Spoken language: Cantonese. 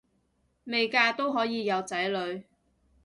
未嫁都可以有仔女